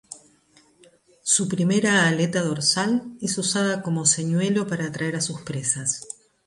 Su primera aleta dorsal es usada como señuelo para atraer a sus presas.